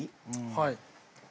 はい。